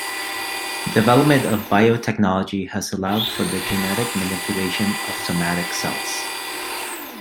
Development of biotechnology has allowed for the genetic manipulation of somatic cells.